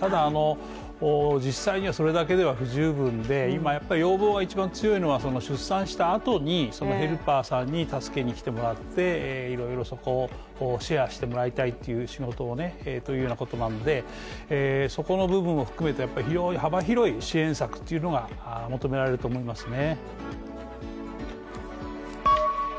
ただ実際にはそれだけでは不十分で今やっぱり要望が一番強いのは出産した後にヘルパーさんに助けに来てもらっていろいろとシェアしてもらいたいという仕事をねというようなことなんでそこの部分を含めてやっぱり非常に幅広い支援策というのが求められると思いますね。